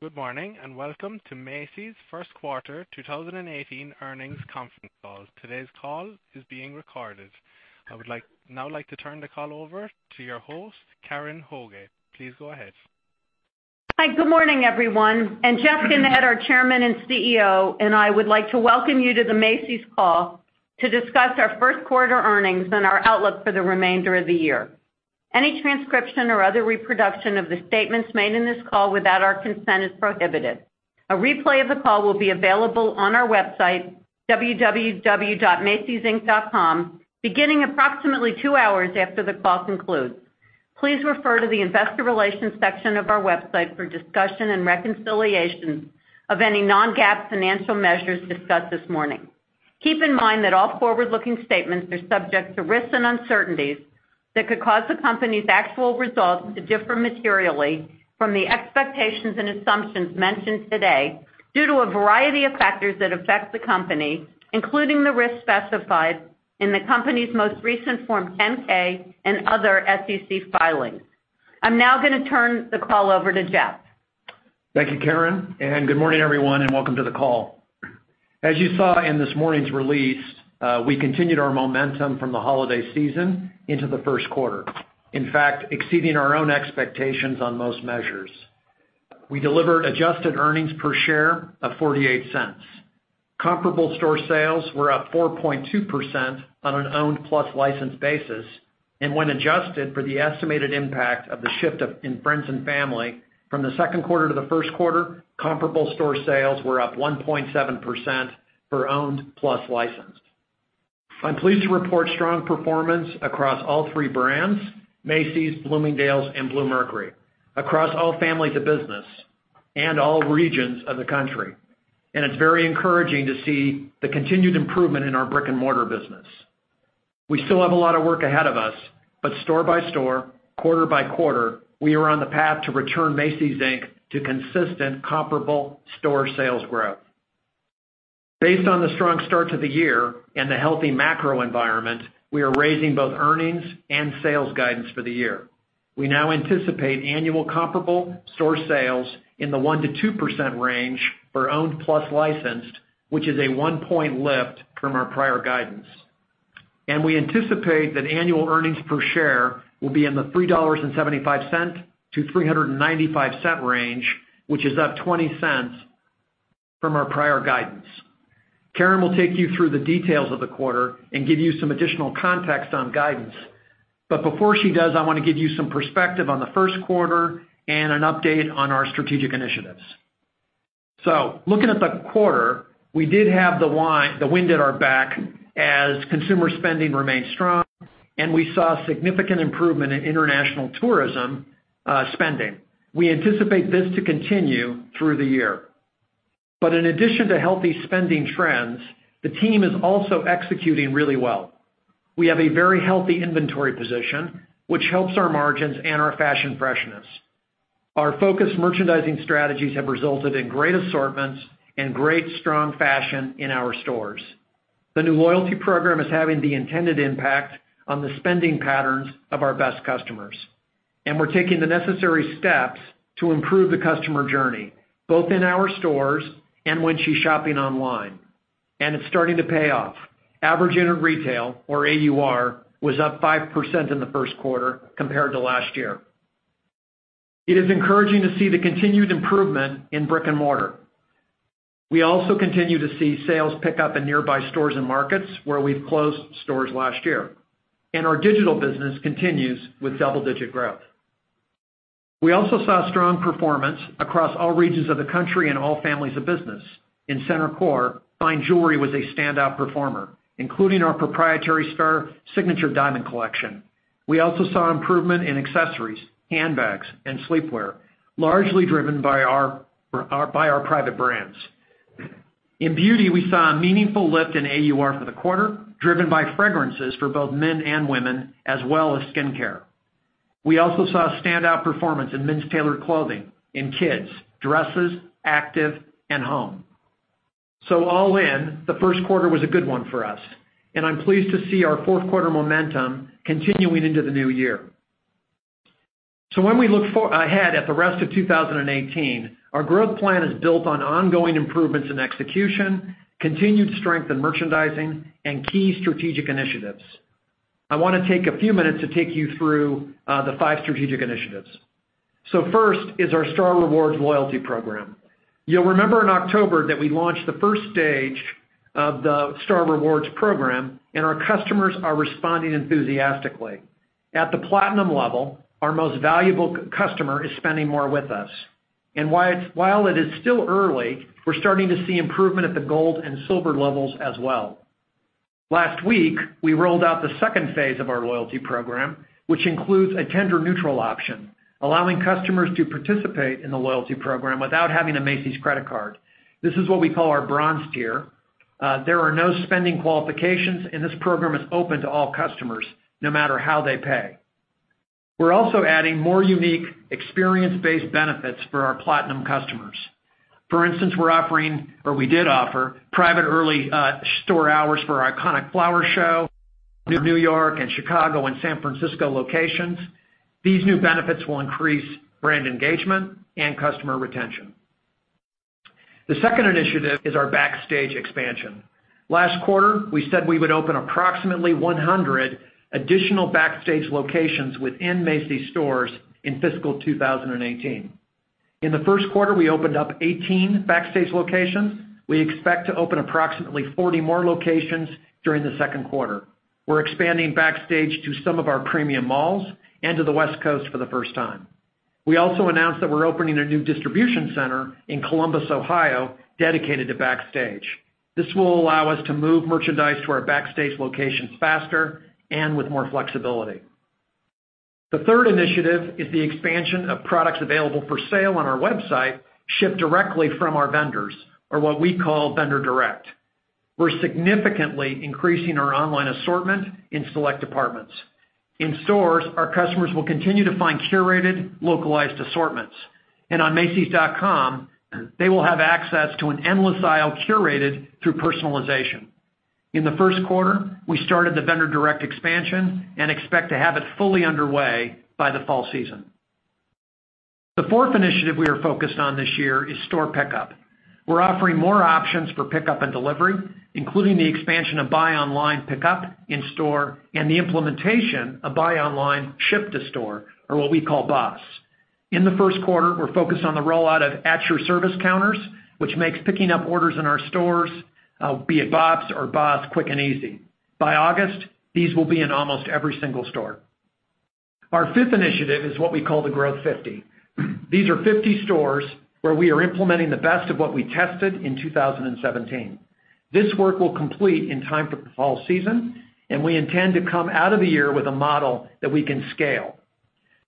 Good morning, and welcome to Macy's first quarter 2018 earnings conference call. Today's call is being recorded. I would now like to turn the call over to your host, Karen Hoguet. Please go ahead. Hi. Good morning, everyone. Jeff Gennette, our Chairman and Chief Executive Officer, and I would like to welcome you to the Macy's call to discuss our first quarter earnings and our outlook for the remainder of the year. Any transcription or other reproduction of the statements made in this call without our consent is prohibited. A replay of the call will be available on our website, www.macysinc.com, beginning approximately two hours after the call concludes. Please refer to the investor relations section of our website for discussion and reconciliation of any non-GAAP financial measures discussed this morning. Keep in mind that all forward-looking statements are subject to risks and uncertainties that could cause the company's actual results to differ materially from the expectations and assumptions mentioned today due to a variety of factors that affect the company, including the risks specified in the company's most recent form, 10-K and other SEC filings. I'm now going to turn the call over to Jeff. Thank you, Karen, and good morning, everyone, and welcome to the call. As you saw in this morning's release, we continued our momentum from the holiday season into the first quarter, in fact, exceeding our own expectations on most measures. We delivered adjusted earnings per share of $0.48. Comparable store sales were up 4.2% on an owned plus licensed basis, and when adjusted for the estimated impact of the shift in friends and family from the second quarter to the first quarter, comparable store sales were up 1.7% for owned plus licensed. I'm pleased to report strong performance across all three brands, Macy's, Bloomingdale's, and Bluemercury, across all families of business and all regions of the country. It's very encouraging to see the continued improvement in our brick-and-mortar business. We still have a lot of work ahead of us, but store by store, quarter by quarter, we are on the path to return Macy's Inc. to consistent comparable store sales growth. Based on the strong start to the year and the healthy macro environment, we are raising both earnings and sales guidance for the year. We now anticipate annual comparable store sales in the 1%-2% range for owned plus licensed, which is a one point lift from our prior guidance. We anticipate that annual earnings per share will be in the $3.75-$3.95 range, which is up $0.20 from our prior guidance. Karen will take you through the details of the quarter and give you some additional context on guidance. Before she does, I want to give you some perspective on the first quarter and an update on our strategic initiatives. Looking at the quarter, we did have the wind at our back as consumer spending remained strong, and we saw significant improvement in international tourism spending. We anticipate this to continue through the year. In addition to healthy spending trends, the team is also executing really well. We have a very healthy inventory position, which helps our margins and our fashion freshness. Our focused merchandising strategies have resulted in great assortments and great strong fashion in our stores. The new loyalty program is having the intended impact on the spending patterns of our best customers. We're taking the necessary steps to improve the customer journey, both in our stores and when she's shopping online, and it's starting to pay off. Average unit retail, or AUR, was up 5% in the first quarter compared to last year. It is encouraging to see the continued improvement in brick and mortar. We also continue to see sales pick up in nearby stores and markets where we've closed stores last year. Our digital business continues with double-digit growth. We also saw strong performance across all regions of the country and all families of business. In center core, fine jewelry was a standout performer, including our proprietary Star Signature Diamond Collection. We also saw improvement in accessories, handbags, and sleepwear, largely driven by our private brands. In beauty, we saw a meaningful lift in AUR for the quarter, driven by fragrances for both men and women, as well as skin care. We also saw standout performance in men's tailored clothing, in kids, dresses, active, and home. All in, the first quarter was a good one for us, and I'm pleased to see our fourth quarter momentum continuing into the new year. When we look ahead at the rest of 2018, our growth plan is built on ongoing improvements in execution, continued strength in merchandising, and key strategic initiatives. I want to take a few minutes to take you through the five strategic initiatives. First is our Star Rewards loyalty program. You'll remember in October that we launched the first stage of the Star Rewards program, and our customers are responding enthusiastically. At the platinum level, our most valuable customer is spending more with us. While it is still early, we're starting to see improvement at the gold and silver levels as well. Last week, we rolled out the second phase of our loyalty program, which includes a tender neutral option, allowing customers to participate in the loyalty program without having a Macy's credit card. This is what we call our bronze tier. There are no spending qualifications, and this program is open to all customers, no matter how they pay. We're also adding more unique experience-based benefits for our platinum customers. For instance, we're offering, or we did offer, private early store hours for our iconic flower show near N.Y. and Chicago and San Francisco locations. These new benefits will increase brand engagement and customer retention. The second initiative is our Backstage expansion. Last quarter, we said we would open approximately 100 additional Backstage locations within Macy's stores in fiscal 2018. In the first quarter, we opened up 18 Backstage locations. We expect to open approximately 40 more locations during the second quarter. We're expanding Backstage to some of our premium malls and to the West Coast for the first time. We also announced that we're opening a new distribution center in Columbus, Ohio, dedicated to Backstage. This will allow us to move merchandise to our Backstage locations faster and with more flexibility. The third initiative is the expansion of products available for sale on our website, shipped directly from our vendors or what we call vendor direct. We're significantly increasing our online assortment in select departments. In stores, our customers will continue to find curated, localized assortments. On macys.com, they will have access to an endless aisle curated through personalization. In the first quarter, we started the vendor direct expansion and expect to have it fully underway by the fall season. The fourth initiative we are focused on this year is store pickup. We're offering more options for pickup and delivery, including the expansion of buy online pickup in store, and the implementation of buy online, ship to store or what we call BOSS. In the first quarter, we're focused on the rollout of at your service counters, which makes picking up orders in our stores, be it BOPIS or BOSS, quick and easy. By August, these will be in almost every single store. Our fifth initiative is what we call the Growth 50. These are 50 stores where we are implementing the best of what we tested in 2017. This work will complete in time for the fall season, We intend to come out of the year with a model that we can scale.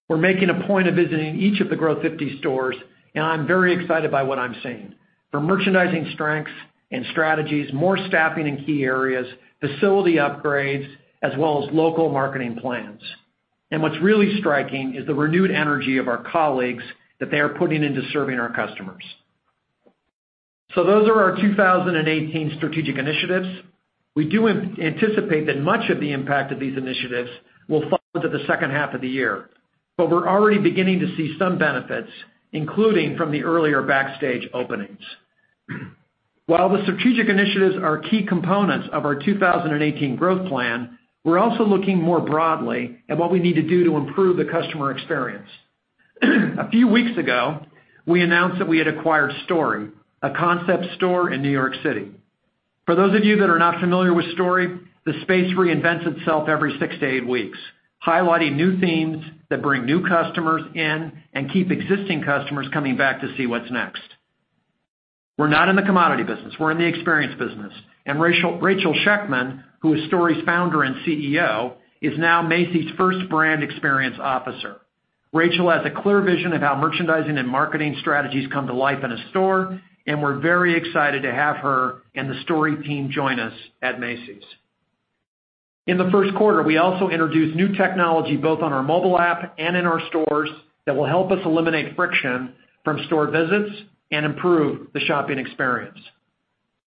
We're making a point of visiting each of the Growth 50 stores, I'm very excited by what I'm seeing. From merchandising strengths and strategies, more staffing in key areas, facility upgrades, as well as local marketing plans. What's really striking is the renewed energy of our colleagues that they are putting into serving our customers. Those are our 2018 strategic initiatives. We do anticipate that much of the impact of these initiatives will fall into the second half of the year, but we're already beginning to see some benefits, including from the earlier Backstage openings. While the strategic initiatives are key components of our 2018 growth plan, we're also looking more broadly at what we need to do to improve the customer experience. A few weeks ago, we announced that we had acquired STORY, a concept store in N.Y. City. For those of you that are not familiar with STORY, the space reinvents itself every six to eight weeks, highlighting new themes that bring new customers in and keep existing customers coming back to see what's next. We're not in the commodity business. We're in the experience business. Rachel Shechtman, who is STORY's founder and CEO, is now Macy's first brand experience officer. Rachel has a clear vision of how merchandising and marketing strategies come to life in a store, and we're very excited to have her and the STORY team join us at Macy's. In the first quarter, we also introduced new technology both on our mobile app and in our stores that will help us eliminate friction from store visits and improve the shopping experience.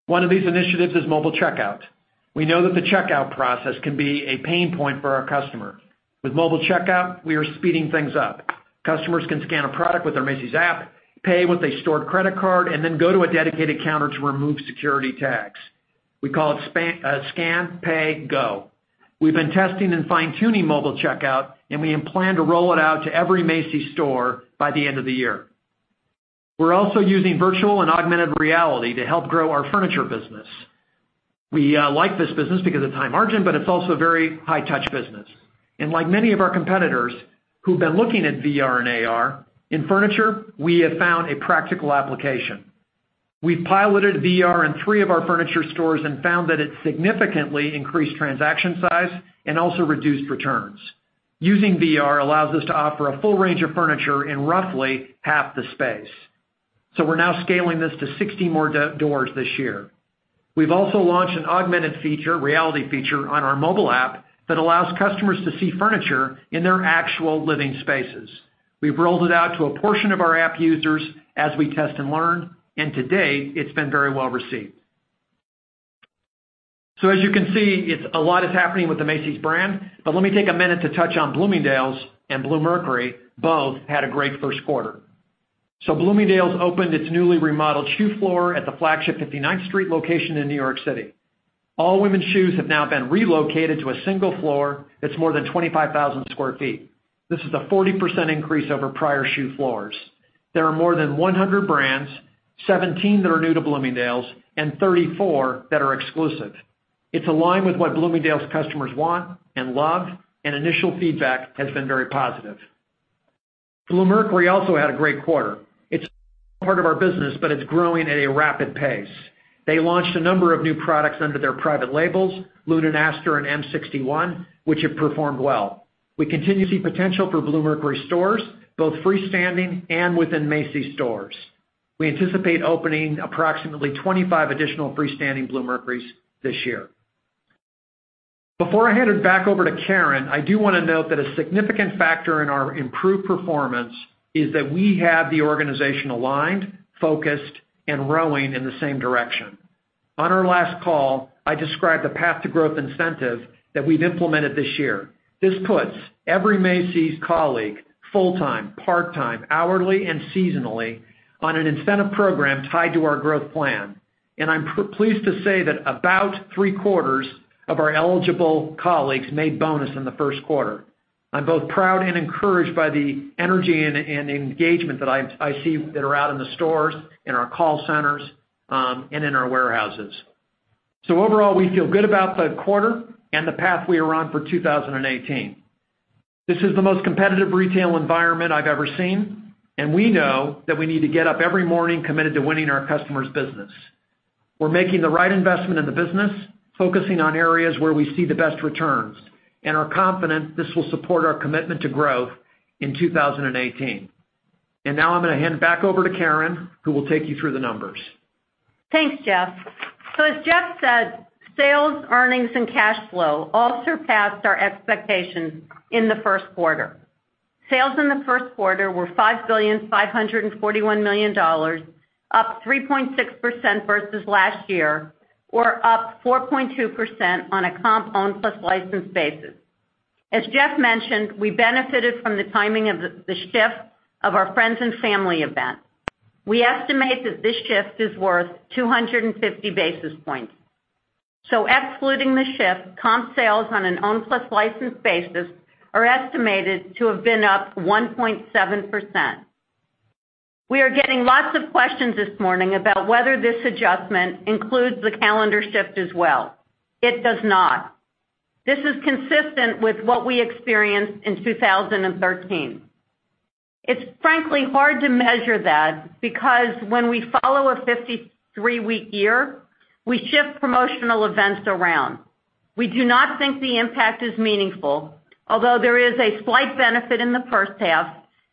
One of these initiatives is mobile checkout. We know that the checkout process can be a pain point for our customer. With mobile checkout, we are speeding things up. Customers can scan a product with their Macy's app, pay with a stored credit card, then go to a dedicated counter to remove security tags. We call it Scan, Pay, Go. We've been testing and fine-tuning mobile checkout, and we plan to roll it out to every Macy's store by the end of the year. We're also using virtual and augmented reality to help grow our furniture business. We like this business because it's high margin, but it's also a very high touch business. Like many of our competitors who've been looking at VR and AR in furniture, we have found a practical application. We've piloted VR in three of our furniture stores and found that it significantly increased transaction size and also reduced returns. Using VR allows us to offer a full range of furniture in roughly half the space. We're now scaling this to 60 more doors this year. We've also launched an augmented reality feature on our mobile app that allows customers to see furniture in their actual living spaces. We've rolled it out to a portion of our app users as we test and learn, to date, it's been very well received. As you can see, a lot is happening with the Macy's brand. Let me take a minute to touch on Bloomingdale's and Bluemercury. Both had a great first quarter. Bloomingdale's opened its newly remodeled shoe floor at the flagship 59th Street location in New York City. All women's shoes have now been relocated to a single floor that's more than 25,000 sq ft. This is a 40% increase over prior shoe floors. There are more than 100 brands, 17 that are new to Bloomingdale's, 34 that are exclusive. It's aligned with what Bloomingdale's customers want and love, initial feedback has been very positive. Bluemercury also had a great quarter. It's part of our business, but it's growing at a rapid pace. They launched a number of new products under their private labels, Lune+Aster and M-61, which have performed well. We continue to see potential for Bluemercury stores, both freestanding and within Macy's stores. We anticipate opening approximately 25 additional freestanding Bluemercury's this year. Before I hand it back over to Karen, I do want to note that a significant factor in our improved performance is that we have the organization aligned, focused, and rowing in the same direction. On our last call, I described the Path to Growth incentive that we've implemented this year. This puts every Macy's colleague, full-time, part-time, hourly, and seasonally, on an incentive program tied to our growth plan. I'm pleased to say that about three-quarters of our eligible colleagues made bonus in the first quarter. I'm both proud and encouraged by the energy and engagement that I see that are out in the stores, in our call centers, and in our warehouses. Overall, we feel good about the quarter and the path we are on for 2018. This is the most competitive retail environment I've ever seen, and we know that we need to get up every morning committed to winning our customers' business. We're making the right investment in the business, focusing on areas where we see the best returns, and are confident this will support our commitment to growth in 2018. Now I'm going to hand it back over to Karen, who will take you through the numbers. Thanks, Jeff. As Jeff said, sales, earnings, and cash flow all surpassed our expectations in the first quarter. Sales in the first quarter were $5,541 million, up 3.6% versus last year, or up 4.2% on a comp owned plus licensed basis. As Jeff mentioned, we benefited from the timing of the shift of our Friends and Family event. We estimate that this shift is worth 250 basis points. Excluding the shift, comp sales on an owned plus licensed basis are estimated to have been up 1.7%. We are getting lots of questions this morning about whether this adjustment includes the calendar shift as well. It does not. This is consistent with what we experienced in 2013. It's frankly hard to measure that because when we follow a 53-week year, we shift promotional events around. We do not think the impact is meaningful, although there is a slight benefit in the first half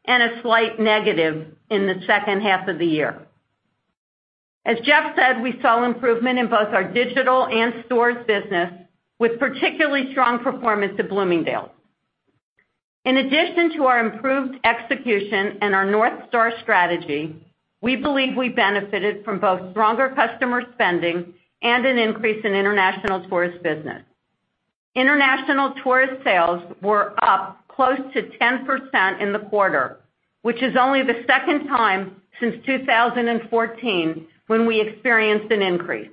and a slight negative in the second half of the year. As Jeff said, we saw improvement in both our digital and stores business, with particularly strong performance at Bloomingdale's. In addition to our improved execution and our North Star strategy, we believe we benefited from both stronger customer spending and an increase in international tourist business. International tourist sales were up close to 10% in the quarter, which is only the second time since 2014 when we experienced an increase.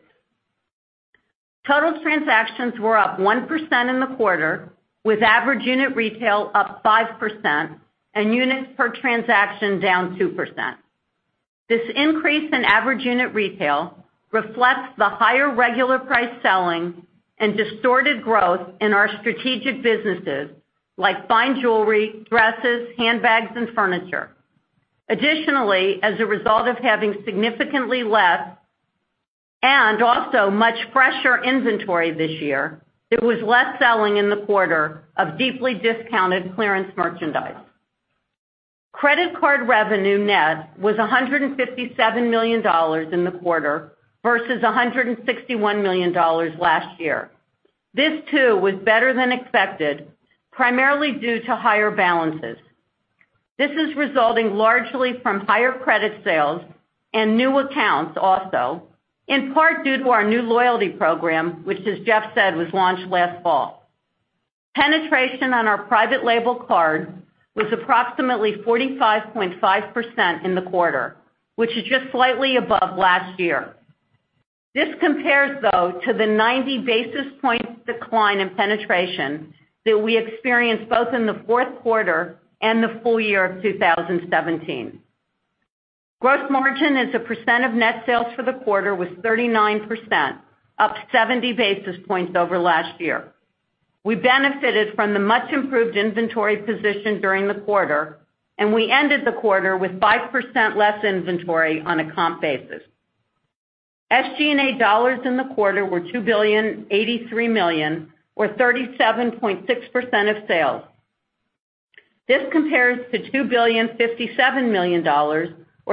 Total transactions were up 1% in the quarter, with average unit retail up 5% and units per transaction down 2%. This increase in average unit retail reflects the higher regular price selling and distorted growth in our strategic businesses like fine jewelry, dresses, handbags, and furniture. Additionally, as a result of having significantly less and also much fresher inventory this year, it was less selling in the quarter of deeply discounted clearance merchandise. Credit card revenue net was $157 million in the quarter versus $161 million last year. This too was better than expected, primarily due to higher balances. This is resulting largely from higher credit sales and new accounts also, in part due to our new loyalty program, which, as Jeff said, was launched last fall. Penetration on our private label card was approximately 45.5% in the quarter, which is just slightly above last year. This compares, though, to the 90 basis point decline in penetration that we experienced both in the fourth quarter and the full year of 2017. Gross margin as a percent of net sales for the quarter was 39%, up 70 basis points over last year. We benefited from the much-improved inventory position during the quarter, and we ended the quarter with 5% less inventory on a comp basis. SG&A dollars in the quarter were $2.083 billion or 37.6% of sales. This compares to $2.057 billion or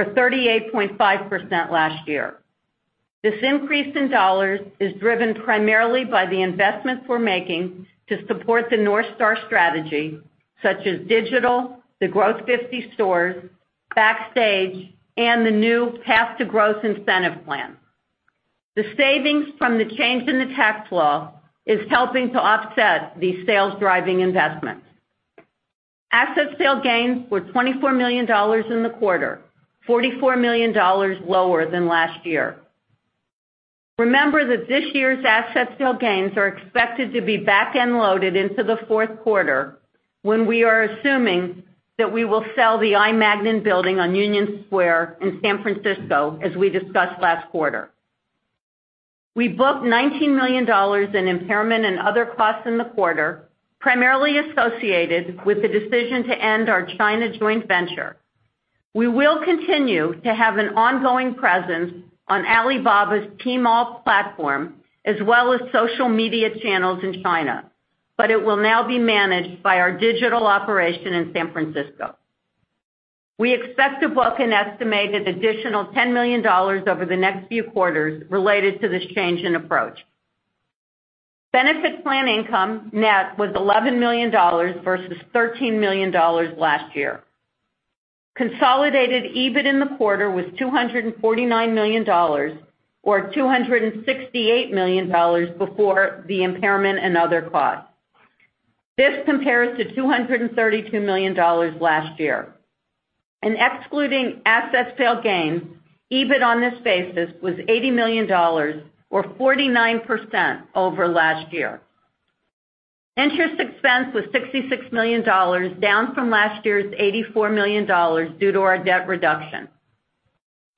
38.5% last year. This increase in dollars is driven primarily by the investments we're making to support the North Star strategy, such as digital, the Growth 50 stores, Backstage, and the new Path to Growth incentive plan. The savings from the change in the tax law is helping to offset these sales-driving investments. Asset sale gains were $24 million in the quarter, $44 million lower than last year. Remember that this year's asset sale gains are expected to be back-end loaded into the fourth quarter, when we are assuming that we will sell the I. Magnin building on Union Square in San Francisco, as we discussed last quarter. We booked $19 million in impairment and other costs in the quarter, primarily associated with the decision to end our China joint venture. We will continue to have an ongoing presence on Alibaba's Tmall platform, as well as social media channels in China, but it will now be managed by our digital operation in San Francisco. We expect to book an estimated additional $10 million over the next few quarters related to this change in approach. Benefit plan income net was $11 million versus $13 million last year. Consolidated EBIT in the quarter was $249 million, or $268 million before the impairment and other costs. This compares to $232 million last year. Excluding asset sale gains, EBIT on this basis was $80 million or 49% over last year. Interest expense was $66 million, down from last year's $84 million due to our debt reduction.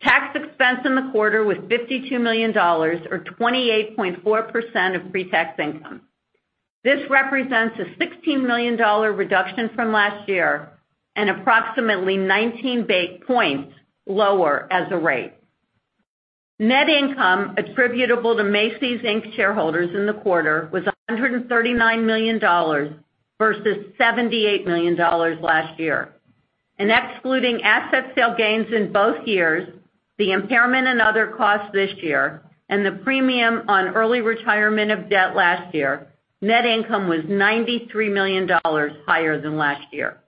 Tax expense in the quarter was $52 million or 28.4% of pre-tax income. This represents a $16 million reduction from last year and approximately 19 basis points lower as a rate. Net income attributable to Macy's, Inc. shareholders in the quarter was $139 million versus $78 million last year. Excluding asset sale gains in both years, the impairment and other costs this year, and the premium on early retirement of debt last year, net income was $93 million higher than last year.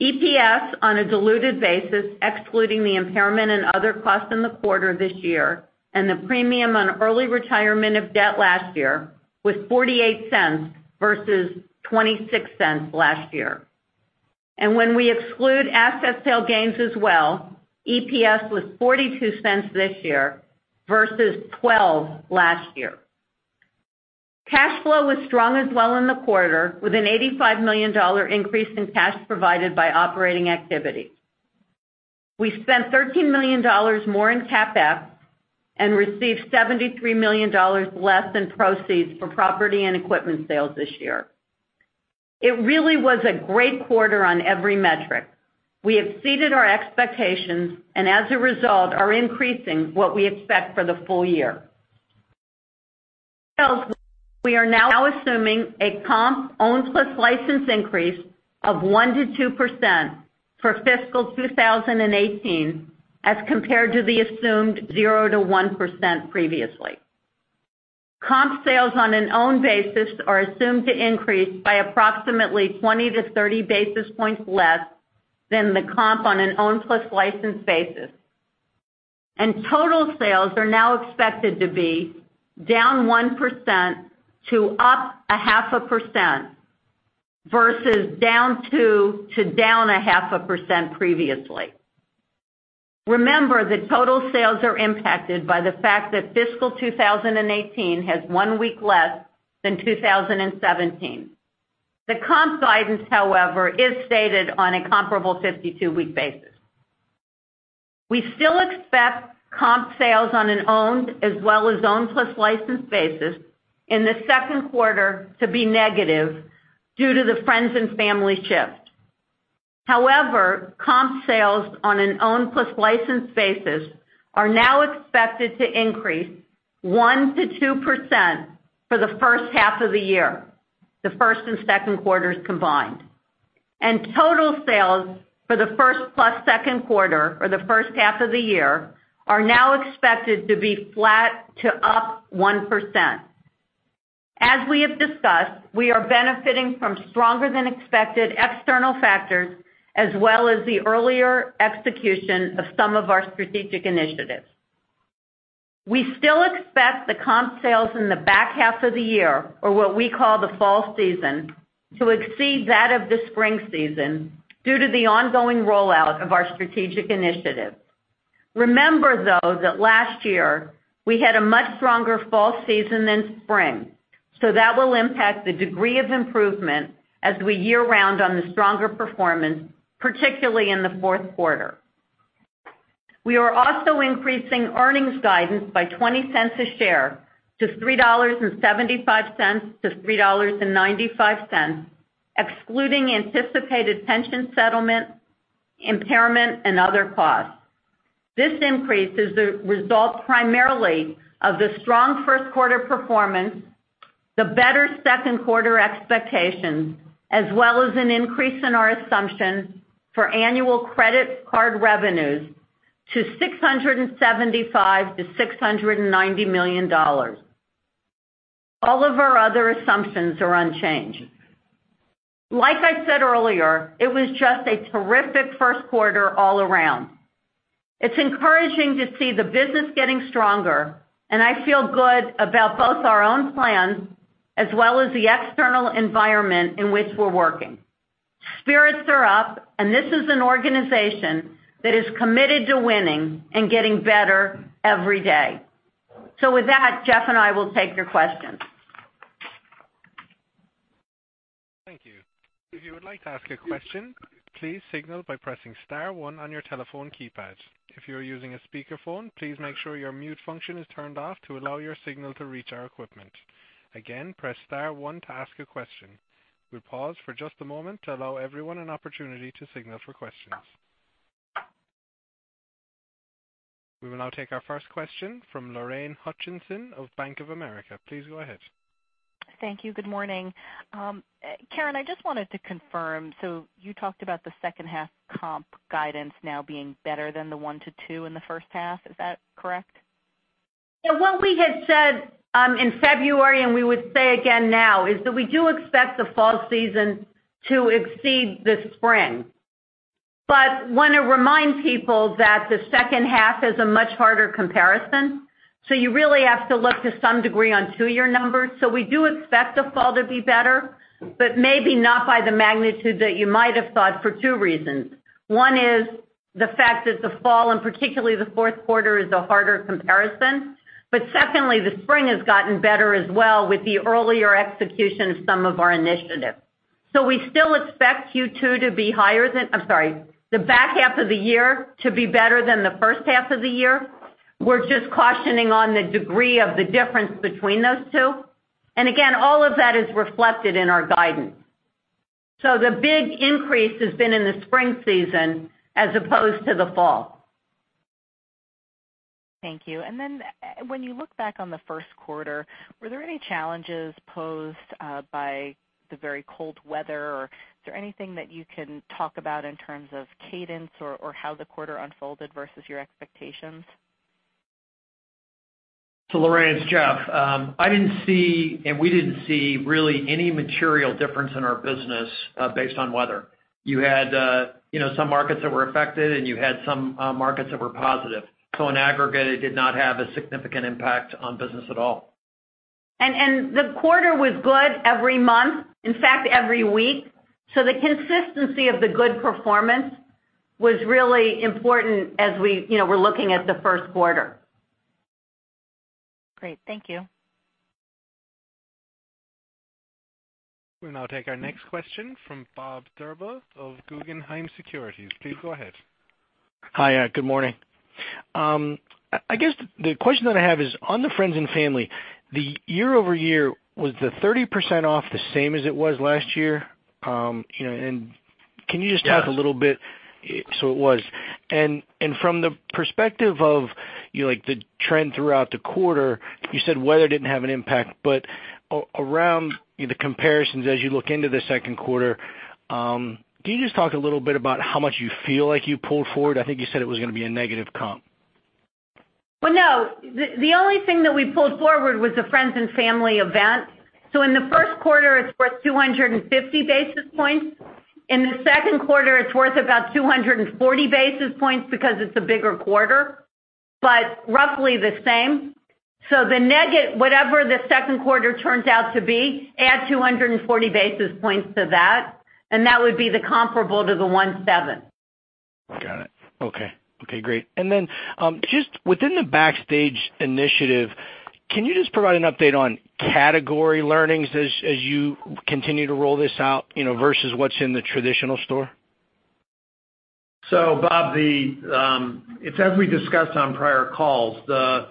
EPS on a diluted basis, excluding the impairment and other costs in the quarter this year and the premium on early retirement of debt last year, was $0.48 versus $0.26 last year. When we exclude asset sale gains as well, EPS was $0.42 this year versus $0.12 last year. Cash flow was strong as well in the quarter with an $85 million increase in cash provided by operating activity. We spent $13 million more in CapEx and received $73 million less in proceeds for property and equipment sales this year. It really was a great quarter on every metric. We exceeded our expectations and as a result are increasing what we expect for the full year. We are now assuming a comp owned plus licensed increase of 1%-2% for fiscal 2018 as compared to the assumed 0%-1% previously. Comp sales on an owned basis are assumed to increase by approximately 20-30 basis points less than the comp on an owned plus licensed basis. Total sales are now expected to be -1% to +0.5% versus -2% to -0.5% previously. Remember that total sales are impacted by the fact that fiscal 2018 has one week less than 2017. The comp guidance, however, is stated on a comparable 52-week basis. We still expect comp sales on an owned as well as owned plus licensed basis in the second quarter to be negative due to the Friends & Family shift. However, comp sales on an owned plus licensed basis are now expected to increase 1%-2% for the first half of the year, the first and second quarters combined. Total sales for the first plus second quarter, or the first half of the year, are now expected to be flat to +1%. As we have discussed, we are benefiting from stronger than expected external factors as well as the earlier execution of some of our strategic initiatives. We still expect the comp sales in the back half of the year, or what we call the fall season, to exceed that of the spring season due to the ongoing rollout of our strategic initiatives. Remember though, that last year we had a much stronger fall season than spring, so that will impact the degree of improvement as we year round on the stronger performance, particularly in the fourth quarter. We are also increasing earnings guidance by $0.20 a share to $3.75-$3.95, excluding anticipated pension settlement, impairment, and other costs. This increase is a result primarily of the strong first quarter performance, the better second quarter expectations, as well as an increase in our assumption for annual credit card revenues to $675 million-$690 million. All of our other assumptions are unchanged. Like I said earlier, it was just a terrific first quarter all around. It's encouraging to see the business getting stronger, and I feel good about both our own plans as well as the external environment in which we're working. Spirits are up, and this is an organization that is committed to winning and getting better every day. With that, Jeff and I will take your questions. Thank you. If you would like to ask a question, please signal by pressing *1 on your telephone keypad. If you are using a speakerphone, please make sure your mute function is turned off to allow your signal to reach our equipment. Again, press *1 to ask a question. We'll pause for just a moment to allow everyone an opportunity to signal for questions. We will now take our first question from Lorraine Hutchinson of Bank of America. Please go ahead. Thank you. Good morning. Karen, I just wanted to confirm, you talked about the second half comp guidance now being better than the one to two in the first half. Is that correct? Yeah. What we had said in February, we would say again now is that we do expect the fall season to exceed the spring. Want to remind people that the second half is a much harder comparison, you really have to look to some degree on two-year numbers. We do expect the fall to be better, but maybe not by the magnitude that you might have thought for two reasons. One is the fact that the fall, and particularly the fourth quarter, is a harder comparison. Secondly, the spring has gotten better as well with the earlier execution of some of our initiatives. We still expect Q2 to be higher than I'm sorry, the back half of the year to be better than the first half of the year. We're just cautioning on the degree of the difference between those two. Again, all of that is reflected in our guidance. The big increase has been in the spring season as opposed to the fall. Thank you. When you look back on the first quarter, were there any challenges posed by the very cold weather, or is there anything that you can talk about in terms of cadence or how the quarter unfolded versus your expectations? Lorraine, it's Jeff. We didn't see really any material difference in our business based on weather. You had some markets that were affected, and you had some markets that were positive. In aggregate, it did not have a significant impact on business at all. The quarter was good every month. In fact, every week. The consistency of the good performance was really important as we're looking at the first quarter. Great. Thank you. We'll now take our next question from Bob Drbul of Guggenheim Securities. Please go ahead. Hi. Good morning. I guess the question that I have is, on the friends and family, the year-over-year, was the 30% off the same as it was last year? Can you just talk a little bit. Yes. It was. From the perspective of the trend throughout the quarter, you said weather didn't have an impact, but around the comparisons as you look into the second quarter, can you just talk a little bit about how much you feel like you pulled forward? I think you said it was going to be a negative comp. Well, no. The only thing that we pulled forward was the friends and family event. In the first quarter, it's worth 250 basis points. In the second quarter, it's worth about 240 basis points because it's a bigger quarter, but roughly the same. Whatever the second quarter turns out to be, add 240 basis points to that, and that would be the comparable to the one seven. Got it. Okay. Okay, great. Just within the Backstage initiative, can you just provide an update on category learnings as you continue to roll this out, versus what's in the traditional store? Bob, it's as we discussed on prior calls. The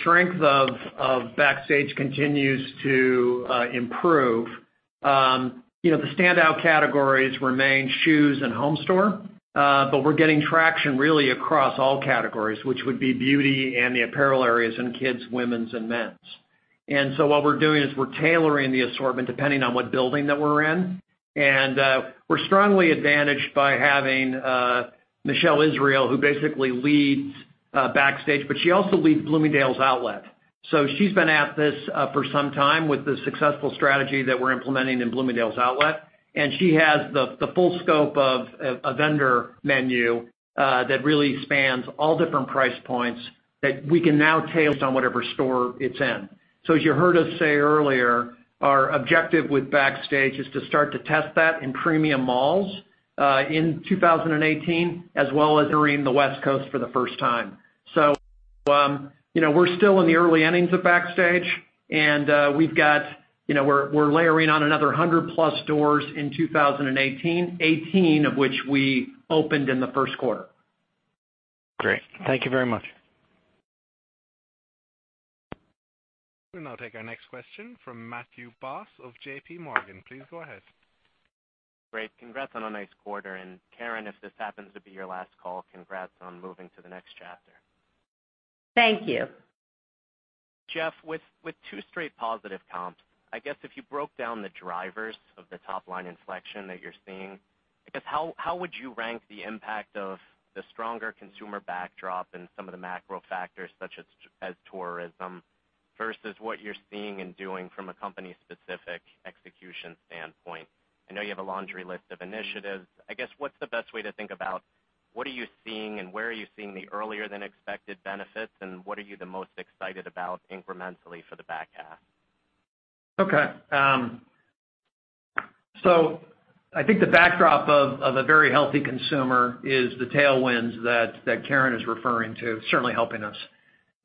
strength of Backstage continues to improve. The standout categories remain shoes and home store. We're getting traction really across all categories, which would be beauty and the apparel areas in kids, womens, and men's. What we're doing is we're tailoring the assortment depending on what building that we're in. We're strongly advantaged by having Michelle Israel, who basically leads Backstage, but she also leads Bloomingdale's Outlet. She's been at this for some time with the successful strategy that we're implementing in Bloomingdale's Outlet, and she has the full scope of a vendor menu that really spans all different price points that we can now tail on whatever store it's in. As you heard us say earlier, our objective with Backstage is to start to test that in premium malls, in 2018, as well as entering the West Coast for the first time. We're still in the early innings of Backstage, and we're layering on another 100-plus stores in 2018, 18 of which we opened in the first quarter. Great. Thank you very much. We'll now take our next question from Matthew Boss of J.P. Morgan. Please go ahead. Great. Congrats on a nice quarter. Karen, if this happens to be your last call, congrats on moving to the next chapter. Thank you. Jeff, with two straight positive comps, I guess if you broke down the drivers of the top-line inflection that you're seeing, I guess how would you rank the impact of the stronger consumer backdrop and some of the macro factors such as tourism versus what you're seeing and doing from a company-specific execution standpoint? I know you have a laundry list of initiatives. I guess, what's the best way to think about what are you seeing and where are you seeing the earlier than expected benefits, and what are you the most excited about incrementally for the back half? Okay. I think the backdrop of a very healthy consumer is the tailwinds that Karen is referring to, certainly helping us.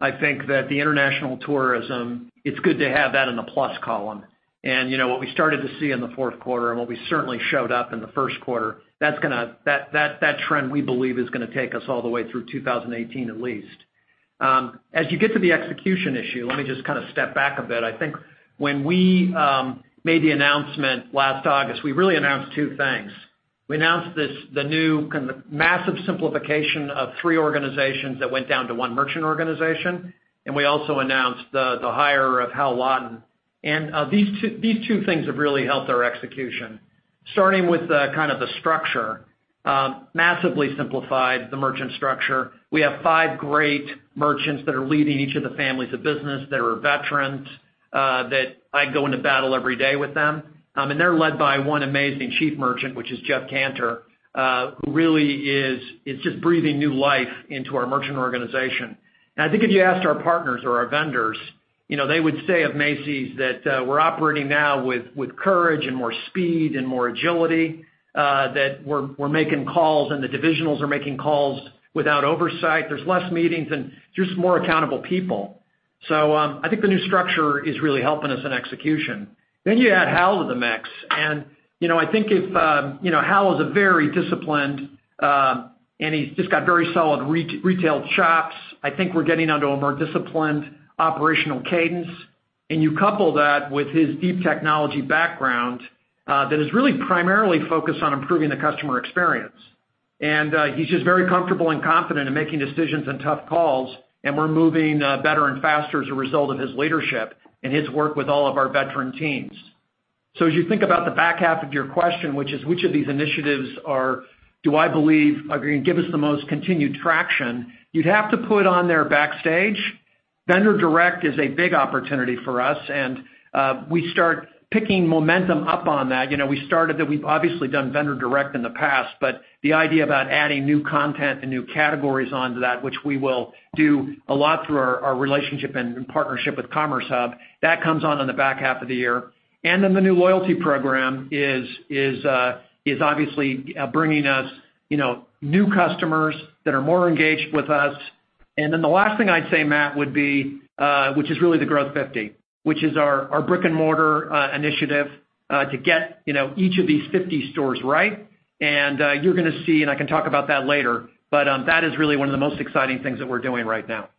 I think that the international tourism, it's good to have that in the plus column. What we started to see in the fourth quarter and what we certainly showed up in the first quarter, that trend we believe is going to take us all the way through 2018 at least. As you get to the execution issue, let me just kind of step back a bit. I think when we made the announcement last August, we really announced two things. We announced the new massive simplification of three organizations that went down to one merchant organization, and we also announced the hire of Hal Lawton. These two things have really helped our execution. Starting with the structure. Massively simplified the merchant structure. We have five great merchants that are leading each of the families of business, that are veterans, that I go into battle every day with them. They're led by one amazing chief merchant, which is Jeff Kantor, who really is just breathing new life into our merchant organization. I think if you asked our partners or our vendors, they would say of Macy's that we're operating now with more courage and more speed and more agility, that we're making calls, and the divisionals are making calls without oversight. There's less meetings and just more accountable people. I think the new structure is really helping us in execution. You add Hal to the mix. Hal is very disciplined, and he's just got very solid retail chops. I think we're getting onto a more disciplined operational cadence. You couple that with his deep technology background, that is really primarily focused on improving the customer experience. He's just very comfortable and confident in making decisions and tough calls, and we're moving better and faster as a result of his leadership and his work with all of our veteran teams. As you think about the back half of your question, which is which of these initiatives do I believe are going to give us the most continued traction? You'd have to put on there Backstage. Vendor direct is a big opportunity for us, and we start picking momentum up on that. We've obviously done vendor direct in the past, but the idea about adding new content and new categories onto that, which we will do a lot through our relationship and partnership with CommerceHub, that comes on in the back half of the year. The new loyalty program is obviously bringing us new customers that are more engaged with us. The last thing I'd say, Matt, would be, which is really the Growth 50, which is our brick-and-mortar initiative to get each of these 50 stores right. You're going to see, and I can talk about that later, but that is really one of the most exciting things that we're doing right now.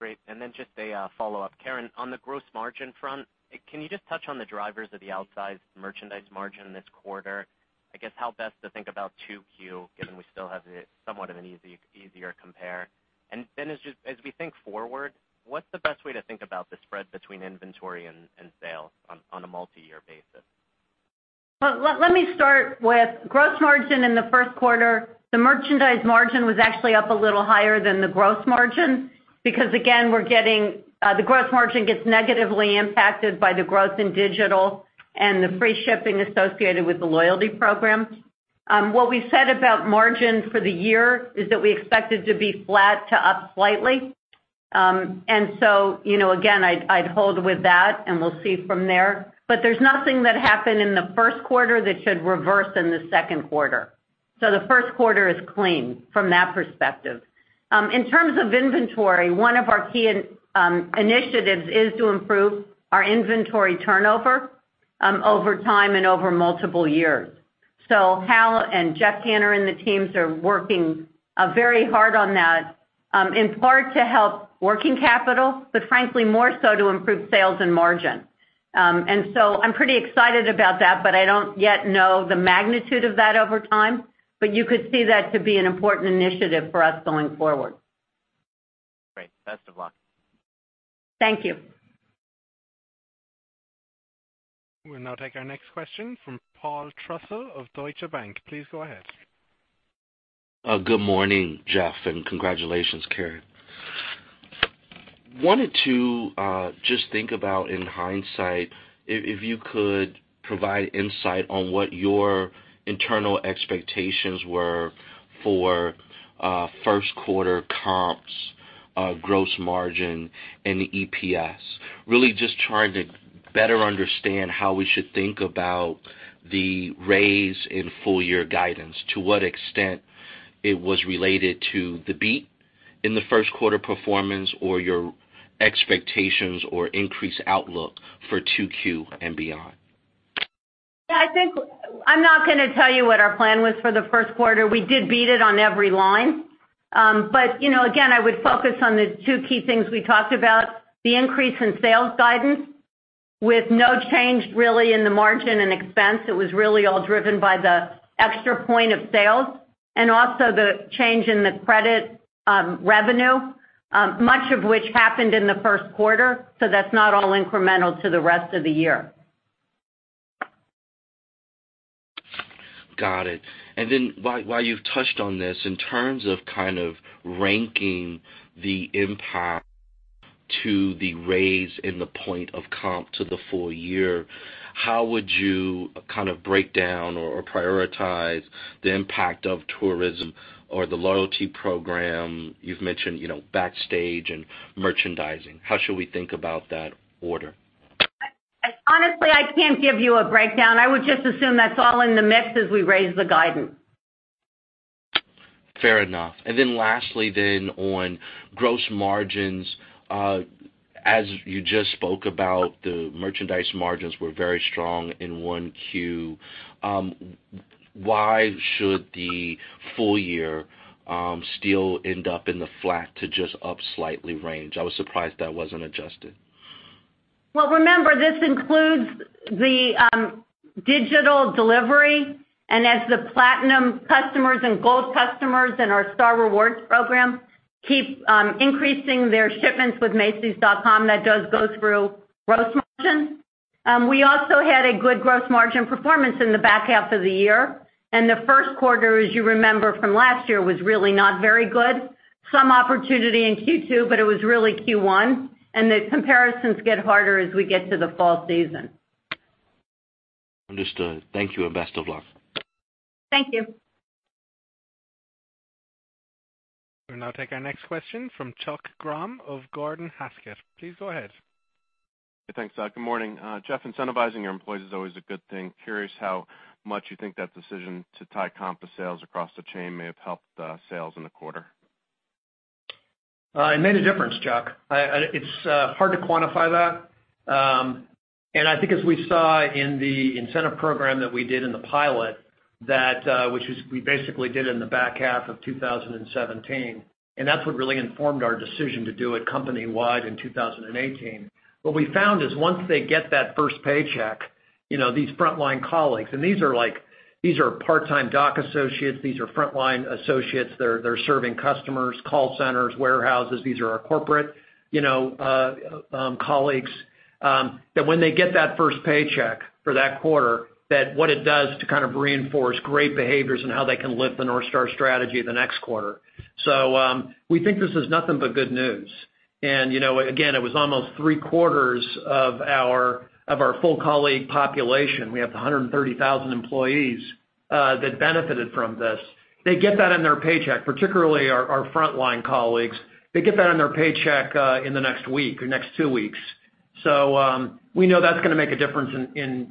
Great. Just a follow-up. Karen, on the gross margin front, can you just touch on the drivers of the outsized merchandise margin this quarter? I guess how best to think about 2Q, given we still have somewhat of an easier compare. As we think forward, what's the best way to think about the spread between inventory and sales on a multi-year basis? Well, let me start with gross margin in the first quarter. The merchandise margin was actually up a little higher than the gross margin, because again, the gross margin gets negatively impacted by the growth in digital and the free shipping associated with the loyalty program. What we said about margin for the year is that we expect it to be flat to up slightly. Again, I'd hold with that, and we'll see from there. There's nothing that happened in the first quarter that should reverse in the second quarter. The first quarter is clean from that perspective. In terms of inventory, one of our key initiatives is to improve our inventory turnover over time and over multiple years. Hal and Jeff Kantor and the teams are working very hard on that. In part to help working capital, but frankly, more so to improve sales and margin. I'm pretty excited about that, but I don't yet know the magnitude of that over time. You could see that to be an important initiative for us going forward. Great. Best of luck. Thank you. We'll now take our next question from Paul Trussell of Deutsche Bank. Please go ahead. Good morning, Jeff, and congratulations, Karen. Wanted to just think about, in hindsight, if you could provide insight on what your internal expectations were for first quarter comps, gross margin, and the EPS. Really just trying to better understand how we should think about the raise in full-year guidance, to what extent it was related to the beat in the first quarter performance, or your expectations or increased outlook for 2Q and beyond. Yeah, I'm not going to tell you what our plan was for the first quarter. We did beat it on every line. Again, I would focus on the two key things we talked about, the increase in sales guidance with no change really in the margin and expense. It was really all driven by the extra point of sale and also the change in the credit revenue, much of which happened in the first quarter. That's not all incremental to the rest of the year. Got it. Then while you've touched on this, in terms of kind of ranking the impact to the raise in the point of comp to the full year, how would you kind of break down or prioritize the impact of tourism or the loyalty program? You've mentioned Backstage and merchandising. How should we think about that order? Honestly, I can't give you a breakdown. I would just assume that's all in the mix as we raise the guidance. Fair enough. Then lastly then on gross margins. As you just spoke about, the merchandise margins were very strong in 1Q. Why should the full year still end up in the flat to just up slightly range? I was surprised that wasn't adjusted. Well, remember, this includes the digital delivery, as the platinum customers and gold customers in our Star Rewards program keep increasing their shipments with macys.com, that does go through gross margin. We also had a good gross margin performance in the back half of the year. The first quarter, as you remember from last year, was really not very good. Some opportunity in Q2, but it was really Q1. The comparisons get harder as we get to the fall season. Understood. Thank you, and best of luck. Thank you. We'll now take our next question from Chuck Grom of Gordon Haskett. Please go ahead. Thanks. Good morning. Jeff, incentivizing your employees is always a good thing. Curious how much you think that decision to tie comp to sales across the chain may have helped sales in the quarter. It made a difference, Chuck. It's hard to quantify that. I think as we saw in the incentive program that we did in the pilot, which we basically did in the back half of 2017, that's what really informed our decision to do it company-wide in 2018. What we found is once they get that first paycheck, these frontline colleagues, these are part-time dock associates, these are frontline associates. They're serving customers, call centers, warehouses. These are our corporate colleagues. That when they get that first paycheck for that quarter, that what it does to kind of reinforce great behaviors and how they can lift the North Star strategy the next quarter. We think this is nothing but good news. Again, it was almost three-quarters of our full colleague population. We have the 130,000 employees that benefited from this. They get that in their paycheck, particularly our frontline colleagues. They get that in their paycheck in the next week or next two weeks. We know that's going to make a difference in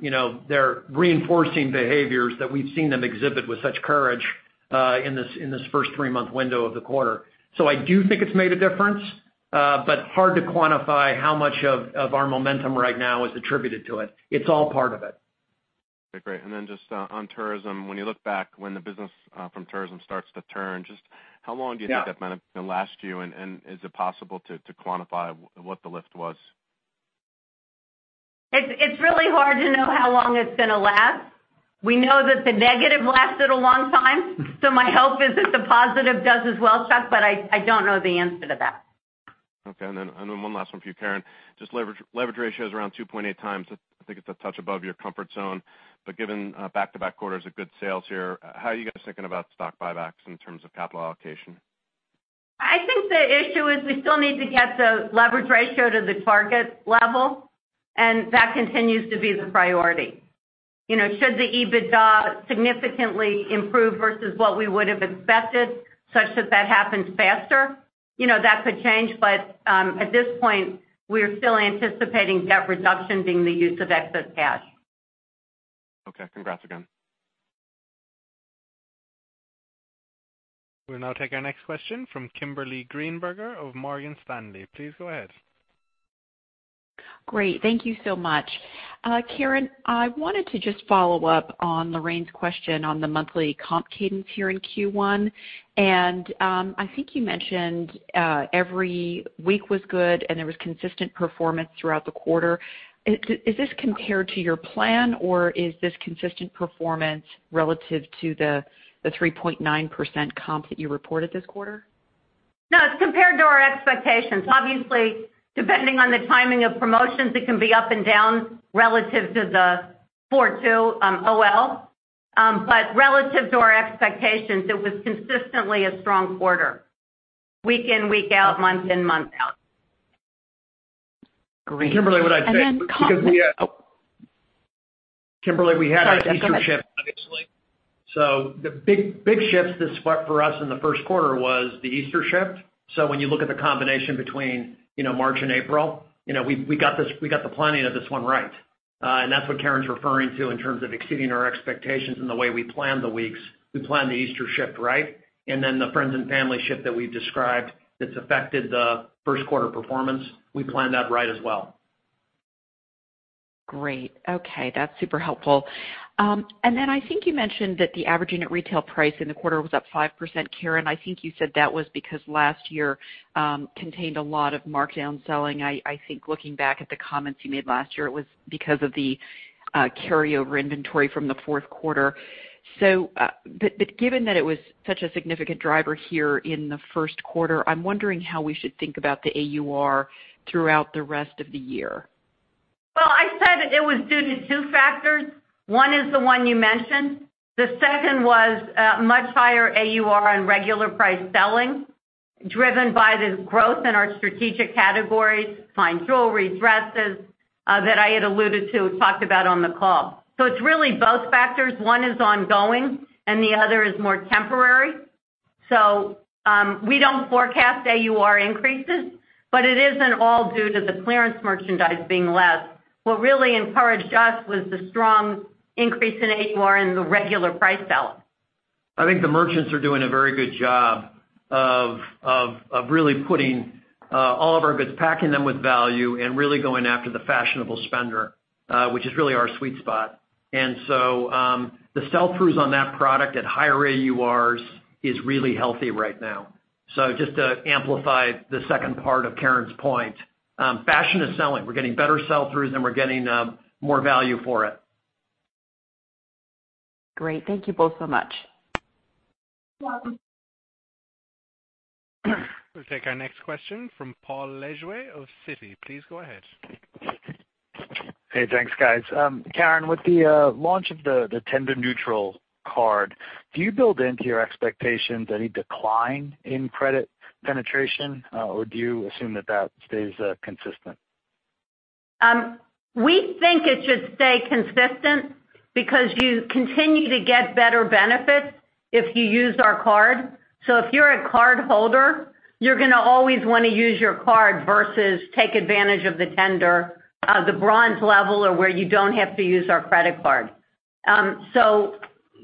their reinforcing behaviors that we've seen them exhibit with such courage in this first three-month window of the quarter. I do think it's made a difference, but hard to quantify how much of our momentum right now is attributed to it. It's all part of it. Okay, great. Then just on tourism, when you look back when the business from tourism starts to turn, just how long do you think that might have been last year, is it possible to quantify what the lift was? It's really hard to know how long it's going to last. We know that the negative lasted a long time, my hope is that the positive does as well, Chuck, but I don't know the answer to that. Okay. One last one for you, Karen. Leverage ratio is around 2.8 times. I think it's a touch above your comfort zone, given back-to-back quarters of good sales here, how are you guys thinking about stock buybacks in terms of capital allocation? I think the issue is we still need to get the leverage ratio to the target level, that continues to be the priority. Should the EBITDA significantly improve versus what we would have expected, such that that happens faster, that could change. At this point, we're still anticipating debt reduction being the use of excess cash. Okay. Congrats again. We'll now take our next question from Kimberly Greenberger of Morgan Stanley. Please go ahead. Great. Thank you so much. Karen, I wanted to just follow up on Lorraine's question on the monthly comp cadence here in Q1. I think you mentioned every week was good, and there was consistent performance throughout the quarter. Is this compared to your plan, or is this consistent performance relative to the 3.9% comp that you reported this quarter? No, it's compared to our expectations. Obviously, depending on the timing of promotions, it can be up and down relative to the quarter two overall. Relative to our expectations, it was consistently a strong quarter, week in, week out, month in, month out. Great. Kimberly. And then comp- Kimberly, we had our Easter shift, obviously. The big shifts for us in the first quarter was the Easter shift. When you look at the combination between March and April, we got the planning of this one right. That's what Karen's referring to in terms of exceeding our expectations in the way we planned the weeks. We planned the Easter shift right, then the friends and family shift that we've described that's affected the first quarter performance, we planned that right as well. Great. Okay. That's super helpful. Then I think you mentioned that the average unit retail price in the quarter was up 5%, Karen. I think you said that was because last year contained a lot of markdown selling. I think looking back at the comments you made last year, it was because of the carryover inventory from the fourth quarter. Given that it was such a significant driver here in the first quarter, I'm wondering how we should think about the AUR throughout the rest of the year. Well, I said it was due to two factors. One is the one you mentioned. The second was much higher AUR on regular price selling, driven by the growth in our strategic categories, fine jewelry, dresses, that I had alluded to, talked about on the call. It's really both factors. One is ongoing and the other is more temporary. We don't forecast AUR increases, but it isn't all due to the clearance merchandise being less. What really encouraged us was the strong increase in AUR in the regular price selling. I think the merchants are doing a very good job of really putting all of our goods, packing them with value, and really going after the fashionable spender, which is really our sweet spot. The sell-throughs on that product at higher AURs is really healthy right now. Just to amplify the second part of Karen's point. Fashion is selling. We're getting better sell-throughs, and we're getting more value for it. Great. Thank you both so much. You're welcome. We'll take our next question from Paul Lejuez of Citi. Please go ahead. Hey, thanks, guys. Karen, with the launch of the tender neutral card, do you build into your expectations any decline in credit penetration, or do you assume that that stays consistent? We think it should stay consistent because you continue to get better benefits if you use our card. If you're a cardholder, you're going to always want to use your card versus take advantage of the tender, the Bronze level, or where you don't have to use our credit card.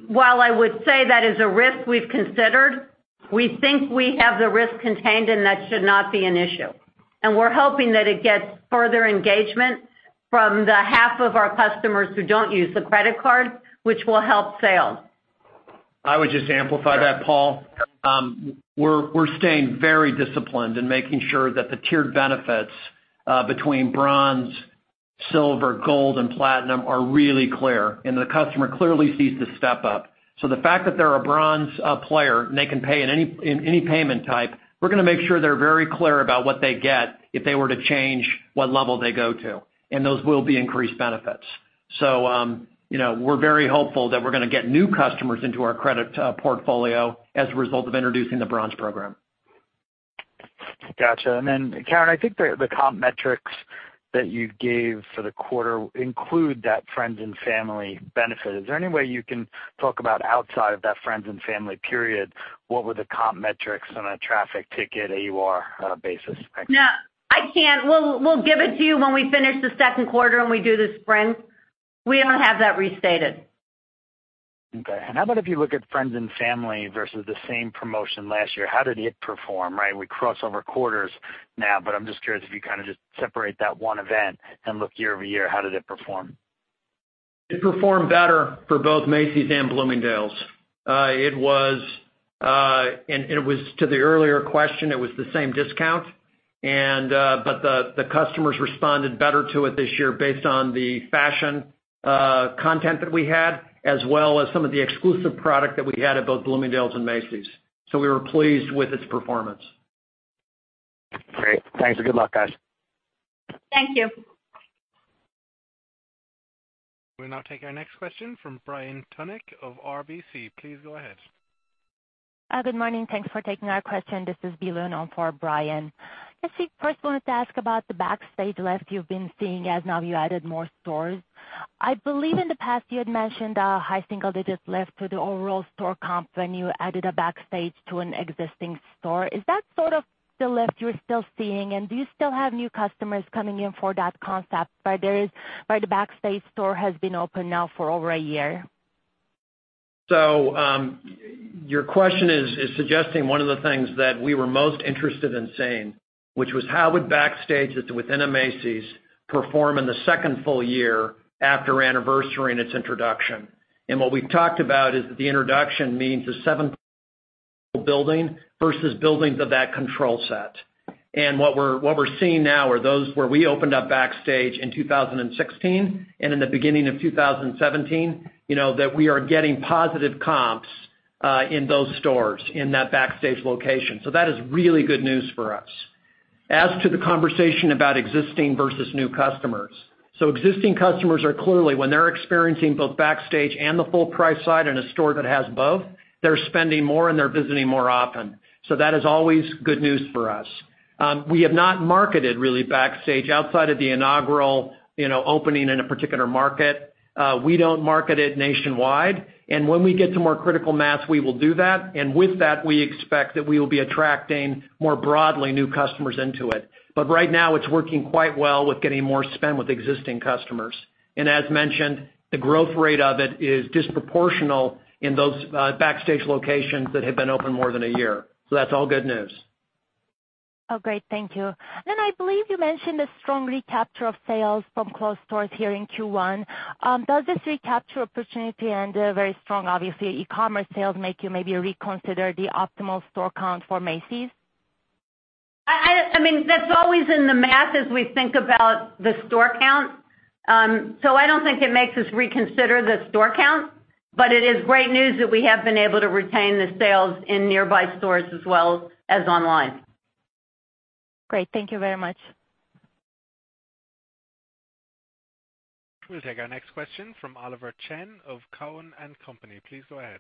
While I would say that is a risk we've considered, we think we have the risk contained, and that should not be an issue. We're hoping that it gets further engagement from the half of our customers who don't use the credit card, which will help sales. I would just amplify that, Paul. We're staying very disciplined in making sure that the tiered benefits between Bronze, Silver, Gold, and Platinum are really clear, and the customer clearly sees the step-up. The fact that they're a Bronze player and they can pay in any payment type, we're going to make sure they're very clear about what they get if they were to change what level they go to, and those will be increased benefits. We're very hopeful that we're going to get new customers into our credit portfolio as a result of introducing the Bronze program. Got you. Then, Karen, I think the comp metrics that you gave for the quarter include that friends and family benefit. Is there any way you can talk about outside of that friends and family period, what were the comp metrics on a traffic ticket, AUR basis? No, I can't. We'll give it to you when we finish the second quarter, and we do the sprint. We don't have that restated. Okay. How about if you look at friends and family versus the same promotion last year, how did it perform, right? We cross over quarters now, but I'm just curious if you kind of just separate that one event and look year-over-year, how did it perform? It performed better for both Macy's and Bloomingdale's. It was to the earlier question, it was the same discount. The customers responded better to it this year based on the fashion content that we had, as well as some of the exclusive product that we had at both Bloomingdale's and Macy's. We were pleased with its performance. Great. Thanks, and good luck, guys. Thank you. We'll now take our next question from Brian Tunick of RBC. Please go ahead. Good morning. Thanks for taking our question. This is Belen on for Brian. I first wanted to ask about the Backstage lift you've been seeing as now you added more stores. I believe in the past you had mentioned a high single digit lift to the overall store comp when you added a Backstage to an existing store. Is that sort of the lift you're still seeing, and do you still have new customers coming in for that concept, where the Backstage store has been open now for over a year? Your question is suggesting one of the things that we were most interested in seeing, which was how would Backstage that's within a Macy's perform in the second full year after anniversary and its introduction. What we've talked about is that the introduction means a seventh building versus buildings of that control set. What we're seeing now are those where we opened up Backstage in 2016 and in the beginning of 2017, that we are getting positive comps in those stores, in that Backstage location. That is really good news for us. As to the conversation about existing versus new customers. Existing customers are clearly, when they're experiencing both Backstage and the full price side in a store that has both, they're spending more and they're visiting more often. That is always good news for us. We have not marketed really Backstage outside of the inaugural opening in a particular market. We don't market it nationwide. When we get to more critical mass, we will do that. With that, we expect that we will be attracting more broadly new customers into it. Right now, it's working quite well with getting more spend with existing customers. As mentioned, the growth rate of it is disproportional in those Backstage locations that have been open more than a year. That's all good news. Great. Thank you. I believe you mentioned the strong recapture of sales from closed stores here in Q1. Does this recapture opportunity and very strong, obviously, e-commerce sales make you maybe reconsider the optimal store count for Macy's? That's always in the math as we think about the store count. I don't think it makes us reconsider the store count, but it is great news that we have been able to retain the sales in nearby stores as well as online. Great. Thank you very much. We'll take our next question from Oliver Chen of Cowen and Company. Please go ahead.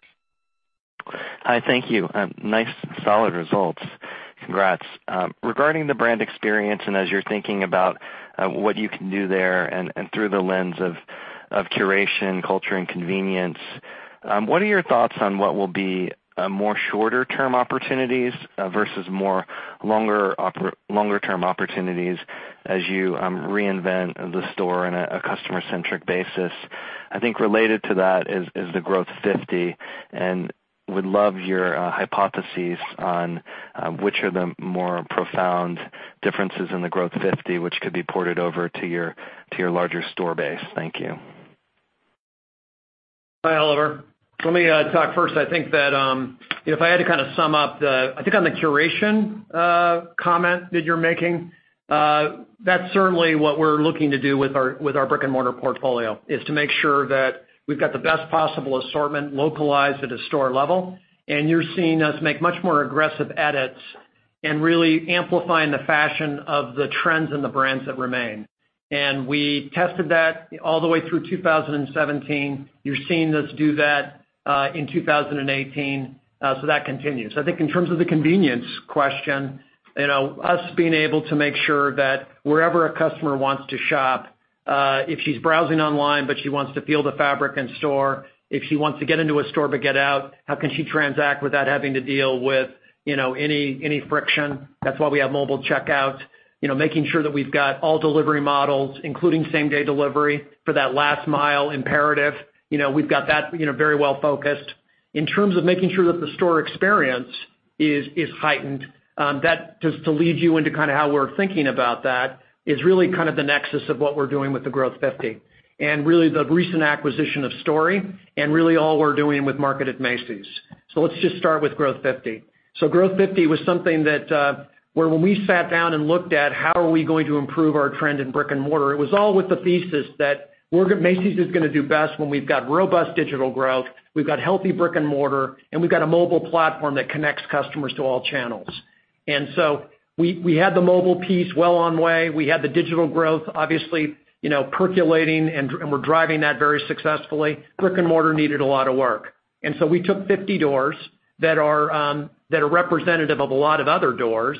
Hi, thank you. Nice solid results. Congrats. Regarding the brand experience, as you're thinking about what you can do there and through the lens of curation, culture and convenience, what are your thoughts on what will be more shorter-term opportunities versus more longer-term opportunities as you reinvent the store on a customer-centric basis? I think related to that is the Growth 50, would love your hypotheses on which are the more profound differences in the Growth 50, which could be ported over to your larger store base. Thank you. Hi, Oliver. Let me talk first. I think that if I had to sum up, I think on the curation comment that you're making, that's certainly what we're looking to do with our brick-and-mortar portfolio, is to make sure that we've got the best possible assortment localized at a store level. You're seeing us make much more aggressive edits and really amplifying the fashion of the trends and the brands that remain. We tested that all the way through 2017. You're seeing us do that in 2018. That continues. I think in terms of the convenience question, us being able to make sure that wherever a customer wants to shop, if she's browsing online, but she wants to feel the fabric in store, if she wants to get into a store but get out, how can she transact without having to deal with any friction? That's why we have mobile checkout. Making sure that we've got all delivery models, including same-day delivery for that last mile imperative. We've got that very well-focused. In terms of making sure that the store experience is heightened. That, just to lead you into how we're thinking about that, is really the nexus of what we're doing with the Growth 50. Really the recent acquisition of STORY and really all we're doing with Market by Macy's. Let's just start with Growth 50. Growth 50 was something that where when we sat down and looked at how are we going to improve our trend in brick-and-mortar, it was all with the thesis that Macy's is going to do best when we've got robust digital growth, we've got healthy brick-and-mortar, and we've got a mobile platform that connects customers to all channels. We had the mobile piece well on way. We had the digital growth, obviously, percolating, and we're driving that very successfully. Brick-and-mortar needed a lot of work. We took 50 doors that are representative of a lot of other doors,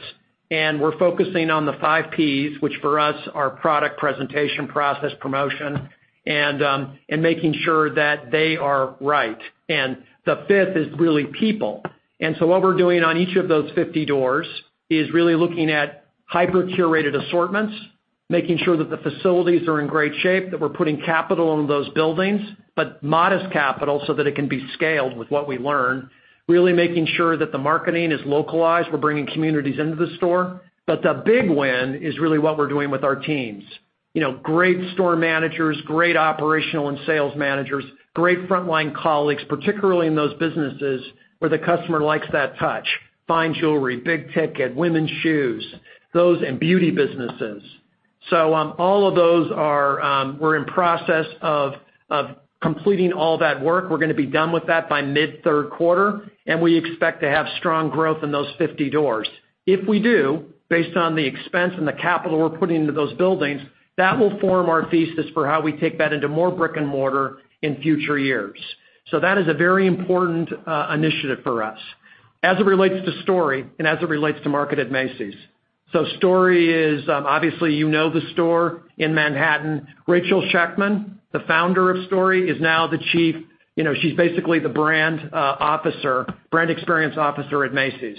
and we're focusing on the five Ps, which for us are product, presentation, process, promotion, and making sure that they are right. The fifth is really people. What we're doing on each of those 50 doors is really looking at hyper-curated assortments, making sure that the facilities are in great shape, that we're putting capital into those buildings, but modest capital so that it can be scaled with what we learn. Really making sure that the marketing is localized. We're bringing communities into the store. The big win is really what we're doing with our teams. Great store managers, great operational and sales managers, great frontline colleagues, particularly in those businesses where the customer likes that touch. Fine jewelry, big ticket, women's shoes, those and beauty businesses. All of those, we're in process of completing all that work. We're going to be done with that by mid-third quarter, and we expect to have strong growth in those 50 doors. If we do, based on the expense and the capital we're putting into those buildings, that will form our thesis for how we take that into more brick and mortar in future years. That is a very important initiative for us. As it relates to STORY and as it relates to Market by Macy's. STORY is, obviously you know the store in Manhattan. Rachel Shechtman, the founder of STORY, is now the Brand Experience Officer at Macy's.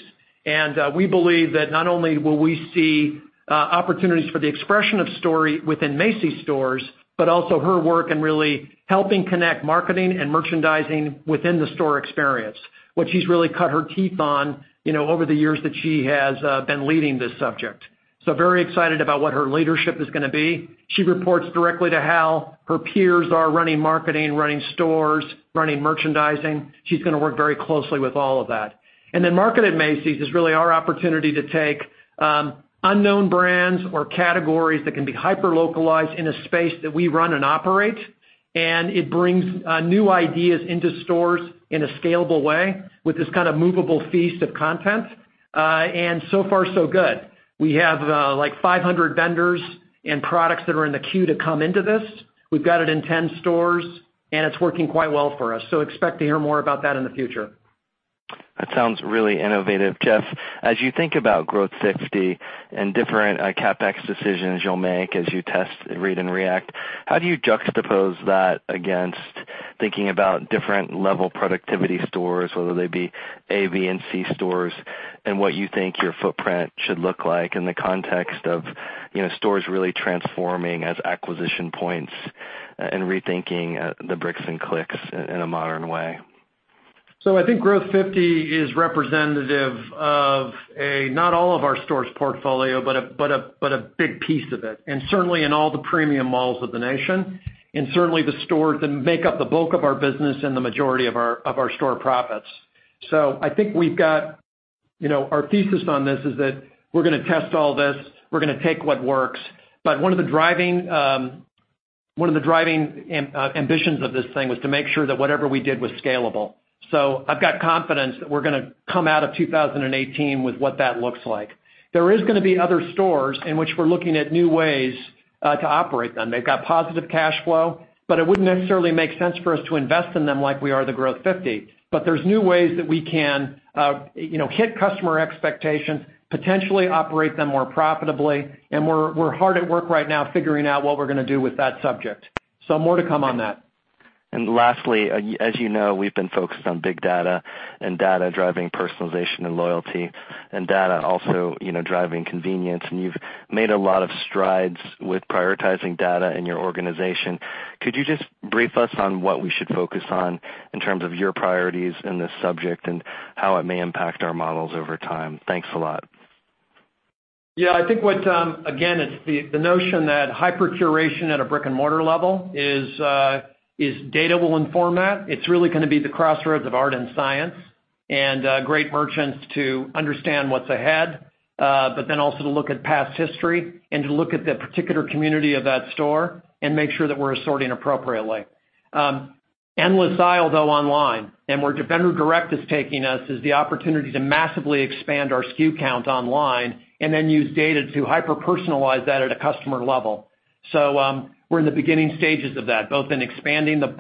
We believe that not only will we see opportunities for the expression of STORY within Macy's stores, but also her work in really helping connect marketing and merchandising within the store experience, which she's really cut her teeth on over the years that she has been leading this subject. Very excited about what her leadership is going to be. She reports directly to Hal. Her peers are running marketing, running stores, running merchandising. She's going to work very closely with all of that. Market by Macy's is really our opportunity to take unknown brands or categories that can be hyper-localized in a space that we run and operate. It brings new ideas into stores in a scalable way with this kind of movable feast of content. So far so good. We have like 500 vendors and products that are in the queue to come into this. We've got it in 10 stores, it's working quite well for us. Expect to hear more about that in the future. That sounds really innovative. Jeff, as you think about Growth 50 and different CapEx decisions you'll make as you test, read, and react, how do you juxtapose that against thinking about different level productivity stores, whether they be A, B, and C stores, and what you think your footprint should look like in the context of stores really transforming as acquisition points and rethinking the bricks and clicks in a modern way? I think Growth 50 is representative of not all of our stores portfolio, but a big piece of it, and certainly in all the premium malls of the nation, and certainly the stores that make up the bulk of our business and the majority of our store profits. I think we've got our thesis on this is that we're going to test all this. We're going to take what works. One of the driving ambitions of this thing was to make sure that whatever we did was scalable. I've got confidence that we're going to come out of 2018 with what that looks like. There is going to be other stores in which we're looking at new ways to operate them. They've got positive cash flow, but it wouldn't necessarily make sense for us to invest in them like we are the Growth 50. There's new ways that we can hit customer expectations, potentially operate them more profitably, and we're hard at work right now figuring out what we're going to do with that subject. More to come on that. Lastly, as you know, we've been focused on big data and data driving personalization and loyalty, and data also driving convenience. You've made a lot of strides with prioritizing data in your organization. Could you just brief us on what we should focus on in terms of your priorities in this subject and how it may impact our models over time? Thanks a lot. Yeah, I think again, it's the notion that hyper-curation at a brick-and-mortar level is data will inform that. It's really going to be the crossroads of art and science, and great merchants to understand what's ahead, also to look at past history and to look at the particular community of that store and make sure that we're assorting appropriately. Endless aisle, though, online. Where Vendor Direct is taking us is the opportunity to massively expand our SKU count online and then use data to hyper-personalize that at a customer level. We're in the beginning stages of that, both in expanding the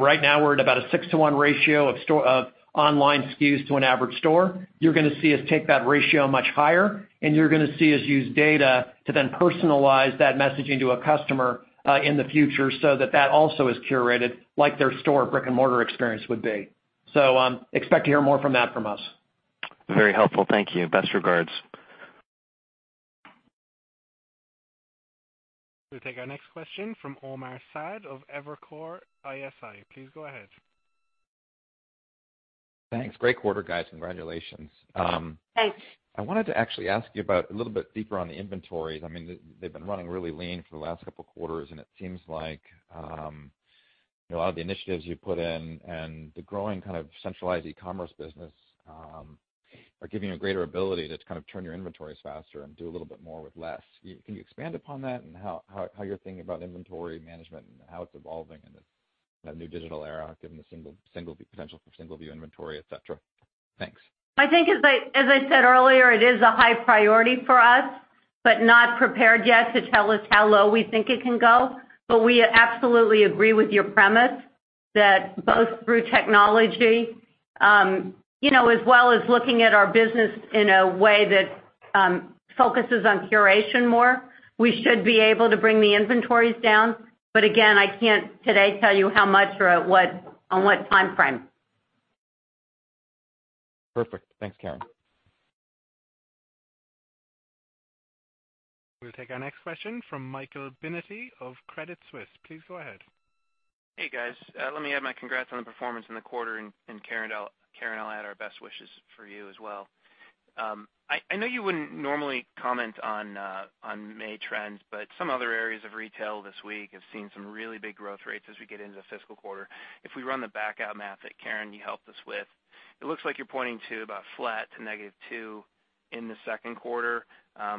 right now we're at about a 6:1 ratio of online SKUs to an average store. You're going to see us take that ratio much higher, and you're going to see us use data to then personalize that messaging to a customer in the future so that that also is curated like their store brick-and-mortar experience would be. Expect to hear more from that from us. Very helpful. Thank you. Best regards. We'll take our next question from Omar Saad of Evercore ISI. Please go ahead. Thanks. Great quarter, guys. Congratulations. Thanks. I wanted to actually ask you about a little bit deeper on the inventories. They've been running really lean for the last couple of quarters, and it seems like a lot of the initiatives you put in and the growing kind of centralized e-commerce business are giving you a greater ability to kind of turn your inventories faster and do a little bit more with less. Can you expand upon that and how you're thinking about inventory management and how it's evolving in this new digital era, given the potential for single-view inventory, et cetera? Thanks. I think, as I said earlier, it is a high priority for us, but not prepared yet to tell us how low we think it can go. We absolutely agree with your premise that both through technology as well as looking at our business in a way that focuses on curation more, we should be able to bring the inventories down. Again, I can't today tell you how much or on what timeframe. Perfect. Thanks, Karen. We'll take our next question from Michael Binetti of Credit Suisse. Please go ahead. Hey, guys. Let me add my congrats on the performance in the quarter. Karen, I'll add our best wishes for you as well. I know you wouldn't normally comment on May trends, some other areas of retail this week have seen some really big growth rates as we get into the fiscal quarter. If we run the back-out math that, Karen, you helped us with, it looks like you're pointing to about flat to -2 in the 2Q,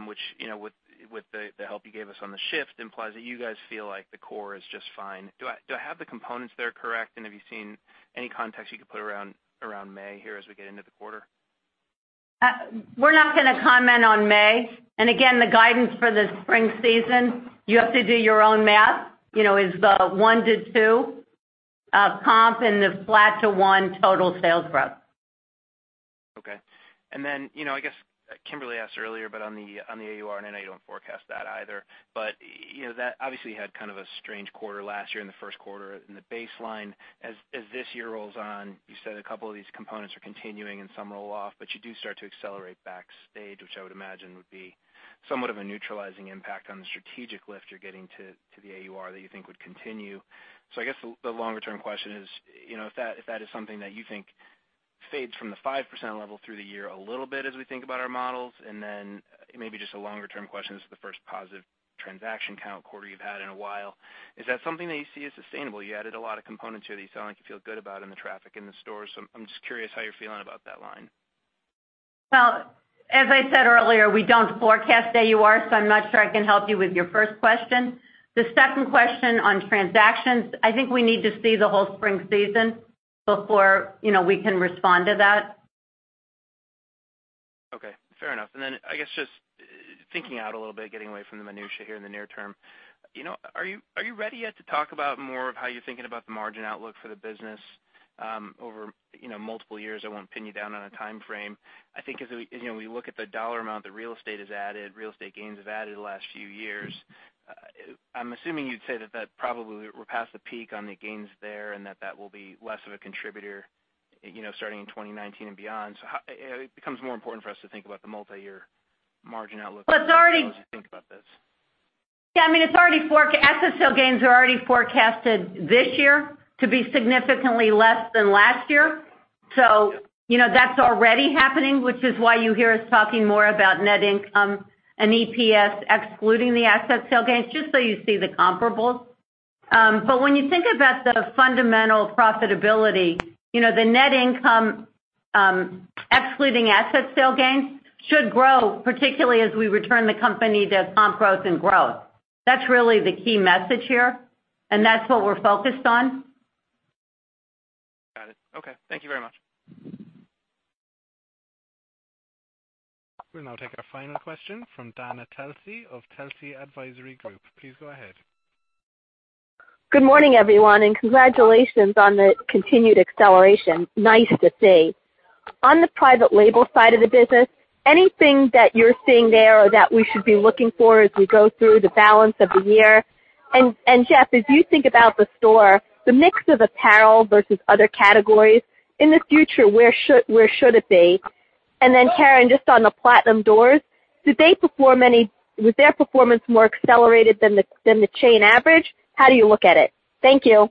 which with the help you gave us on the shift, implies that you guys feel like the core is just fine. Do I have the components there correct, have you seen any context you could put around May here as we get into the quarter? We're not going to comment on May. Again, the guidance for the spring season, you have to do your own math, is the 1%-2% of comp and the flat to 1% total sales growth. Okay. I guess Kimberly asked earlier, on the AUR, I know you don't forecast that either. That obviously had kind of a strange quarter last year in the 1Q in the baseline. As this year rolls on, you said a couple of these components are continuing and some roll off, you do start to accelerate Backstage, which I would imagine would be somewhat of a neutralizing impact on the strategic lift you're getting to the AUR that you think would continue. I guess the longer-term question is, if that is something that you think fades from the 5% through the year a little bit as we think about our models, maybe just a longer-term question, this is the first positive transaction count quarter you've had in a while. Is that something that you see as sustainable? You added a lot of components here that you sound like you feel good about in the traffic in the stores. I'm just curious how you're feeling about that line. Well, as I said earlier, we don't forecast AUR, so I'm not sure I can help you with your first question. The second question on transactions, I think we need to see the whole spring season before we can respond to that. Okay. Fair enough. I guess just thinking out a little bit, getting away from the minutiae here in the near term. Are you ready yet to talk about more of how you're thinking about the margin outlook for the business over multiple years? I won't pin you down on a timeframe. I think as we look at the dollar amount the real estate has added, real estate gains have added the last few years. I'm assuming you'd say that that probably we're past the peak on the gains there and that that will be less of a contributor starting in 2019 and beyond. It becomes more important for us to think about the multi-year margin outlook. Well, it's already. as we think about this. Yeah, asset sale gains are already forecasted this year to be significantly less than last year. That's already happening, which is why you hear us talking more about net income and EPS excluding the asset sale gains, just so you see the comparables. When you think about the fundamental profitability, the net income excluding asset sale gains should grow, particularly as we return the company to comp growth and growth. That's really the key message here. That's what we're focused on. Got it. Okay. Thank you very much. We'll now take our final question from Dana Telsey of Telsey Advisory Group. Please go ahead. Good morning, everyone. Congratulations on the continued acceleration. Nice to see. On the private label side of the business, anything that you're seeing there or that we should be looking for as we go through the balance of the year? Jeff, as you think about the store, the mix of apparel versus other categories, in the future, where should it be? Karen, just on the platinum doors, was their performance more accelerated than the chain average? How do you look at it? Thank you.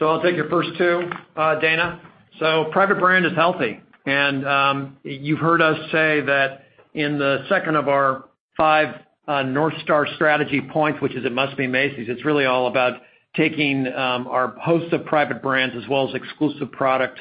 I'll take your first two, Dana. Private brand is healthy, and you've heard us say that in the second of our five North Star strategy points, which is It Must Be Macy's, it's really all about taking our host of private brands as well as exclusive product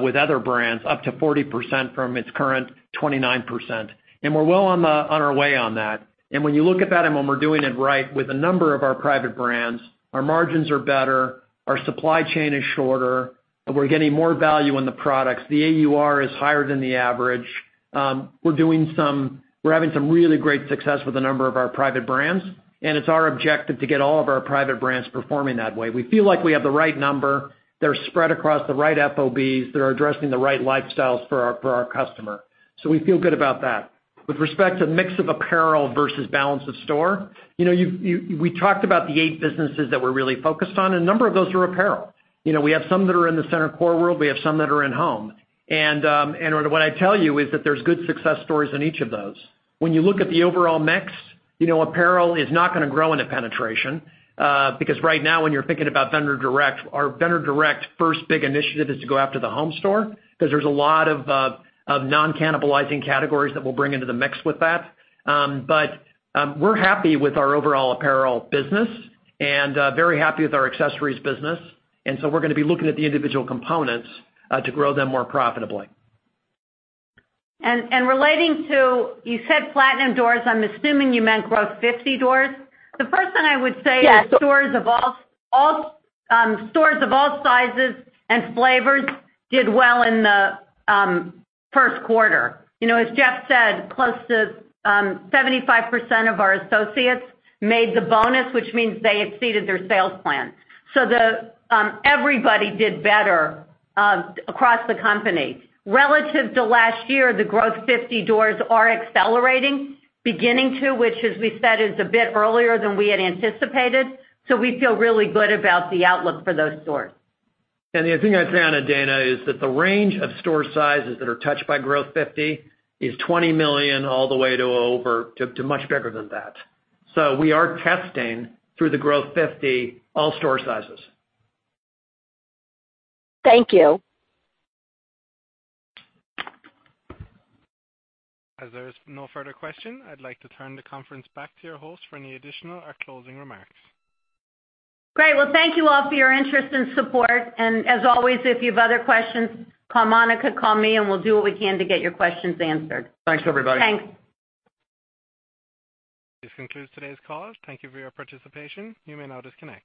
with other brands up to 40% from its current 29%. We're well on our way on that. When you look at that and when we're doing it right with a number of our private brands, our margins are better, our supply chain is shorter, and we're getting more value on the products. The AUR is higher than the average. We're having some really great success with a number of our private brands, and it's our objective to get all of our private brands performing that way. We feel like we have the right number. They're spread across the right FOBs. They're addressing the right lifestyles for our customer. We feel good about that. With respect to mix of apparel versus balance of store, we talked about the 8 businesses that we're really focused on, a number of those are apparel. We have some that are in the center core world. We have some that are in-home. What I tell you is that there's good success stories in each of those. When you look at the overall mix, apparel is not going to grow into penetration. Right now when you're thinking about vendor direct, our vendor direct first big initiative is to go after the home store, because there's a lot of non-cannibalizing categories that we'll bring into the mix with that. We're happy with our overall apparel business and very happy with our accessories business. We're going to be looking at the individual components to grow them more profitably. Relating to you said platinum doors, I'm assuming you meant Growth 50 doors. The first thing I would say is stores of all sizes and flavors did well in the first quarter. As Jeff said, close to 75% of our associates made the bonus, which means they exceeded their sales plan. Everybody did better across the company. Relative to last year, the Growth 50 doors are accelerating, beginning to, which, as we said, is a bit earlier than we had anticipated. We feel really good about the outlook for those stores. The other thing I'd say on it, Dana, is that the range of store sizes that are touched by Growth 50 is $20 million all the way to much bigger than that. We are testing, through the Growth 50, all store sizes. Thank you. As there is no further question, I'd like to turn the conference back to your host for any additional or closing remarks. Great. Well, thank you all for your interest and support. As always, if you have other questions, call Monica, call me, and we'll do what we can to get your questions answered. Thanks, everybody. Thanks. This concludes today's call. Thank you for your participation. You may now disconnect.